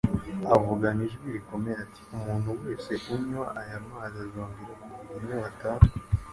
avugana ijwi rikomeye ati : "Umuntu wese unywa aya mazi azongera kugira inyota;